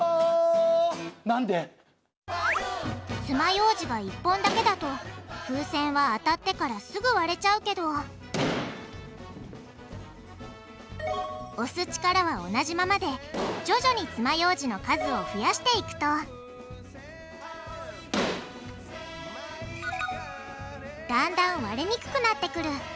つまようじが１本だけだと風船は当たってからすぐ割れちゃうけど押す力は同じままで徐々につまようじの数を増やしていくとだんだん割れにくくなってくる。